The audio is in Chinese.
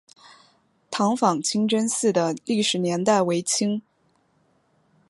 塘坊清真寺的历史年代为清。